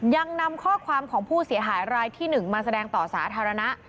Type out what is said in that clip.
ยังนำข้อความของผู้เสียหายรายที่๑มาแสดงต่อสาธารณะ